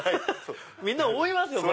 みんな思いますよこれ。